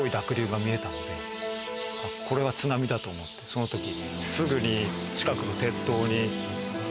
そのとき。